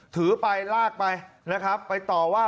ถือไปลากไปไปต่อว่า